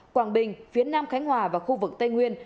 quảng bình phía nam khánh hòa và khu vực tây nguyên